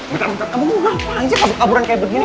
bentar bentar kamu ngapain sih kabur kaburan kayak begini